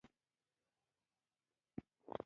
دا اپلیکیشن د معلوماتو تحلیل کوي.